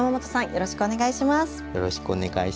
よろしくお願いします。